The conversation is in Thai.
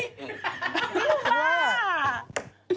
มาก